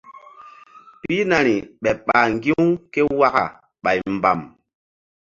Pihnari ɓeɓ ɓah ŋgi̧-u ké waka ɓay mbam.